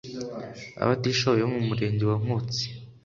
abatishoboye bo mu Murenge wa Nkotsi